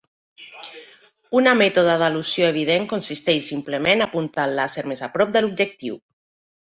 Una mètode d'elusió evident consisteix simplement a apuntar el làser més a prop de l'objectiu.